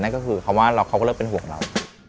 ก็คือเขาก็เลิกเป็นห่วงเรา